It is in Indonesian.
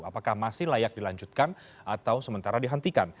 apakah masih layak dilanjutkan atau sementara dihentikan